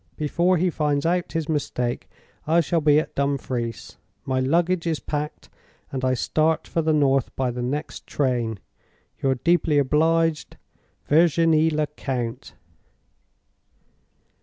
Before he finds out his mistake, I shall be at Dumfries. My luggage is packed, and I start for the North by the next train. "Your deeply obliged, "VIRGINIE LECOUNT."